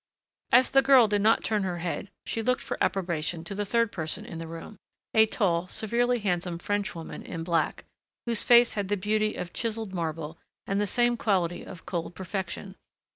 As the girl did not turn her head she looked for approbation to the third person in the room, a tall, severely handsome Frenchwoman in black, whose face had the beauty of chiseled marble and the same quality of cold perfection.